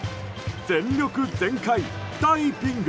全力全開、ダイビング！